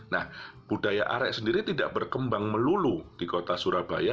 nah budaya arek sendiri tidak berkembang melulu di kota surabaya